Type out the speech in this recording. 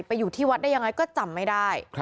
อยู่ที่วัดได้ยังไงก็จำไม่ได้